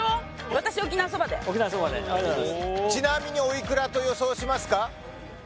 私沖縄そばでちなみにおいくらと予想しますか？